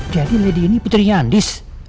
jadi lady ini putri yandis